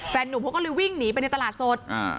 หนุ่มเขาก็เลยวิ่งหนีไปในตลาดสด